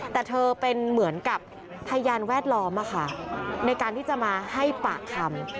แต่เธอเป็นเหมือนกับพยานแวดล้อมในการที่จะมาให้ปากคำ